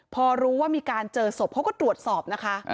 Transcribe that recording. พอรู้ว่ามีการเจอศพเขาก็ตรวจสอบนะคะ